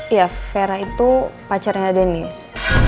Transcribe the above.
ya vera itu pacarnya denis